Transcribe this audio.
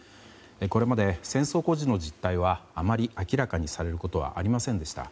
これまで戦争孤児の実態はあまり明らかにされることはありませんでした。